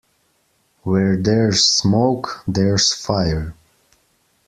Where there's smoke there's fire.